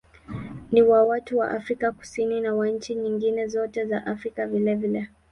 Ni wa watu wa Afrika Kusini na wa nchi nyingine zote za Afrika vilevile.